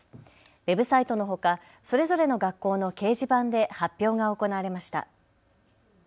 ウェブサイトのほかそれぞれの学校の掲示板で発表が行われました。